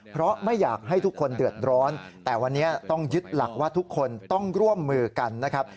เพราะไม่อยากให้ทุกคนเดือดร้อนแต่วันนี้ต้องยึดหลักว่าทุกคนต้องร่วมมือกันนะครับ